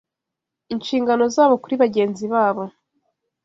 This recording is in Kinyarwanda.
inshingano zabo kuri bangenzi babo